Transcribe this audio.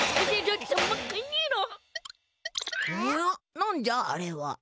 なんじゃあれは。